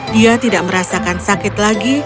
dia tidak merasakan sakit lagi